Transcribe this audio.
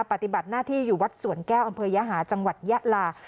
ปฏิบัติหน้าที่อยู่วัดสวนแก้วอำเภอยหาจังหวัดยะลา